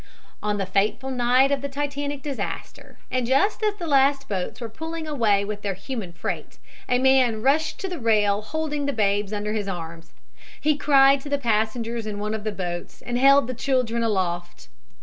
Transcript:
On the fateful night of the Titanic disaster and just as the last boats were pulling away with their human freight, a man rushed to the rail holding the babes under his arms. He cried to the passengers in one of the boats and held the children aloft.